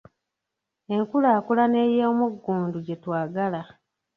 Enkulaakulana ey'omuggundu gye twagala.